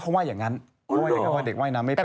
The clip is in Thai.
เขาว่าอย่างนั้นเขาว่าเด็กว่ายน้ำไม่เป็น